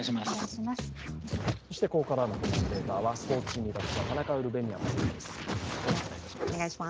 ここからのコメンテーターはスポーツ心理学者、田中ウルヴェ京さんです。